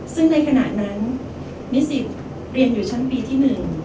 ซึ่งในขณะนั้นนิสิตเรียนอยู่ชั้นปีที่๑